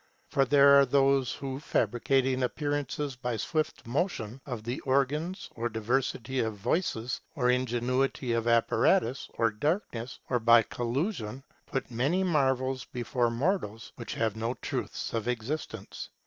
For there are those who, fabricating appearances by swift motion of the organs, or diversity of voices, or ingenuity of apparatus, or darkness, or by collusion, put many marvels before mortals which have no truth of existence.